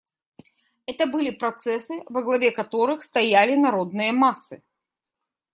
Это были процессы, во главе которых стояли народные массы.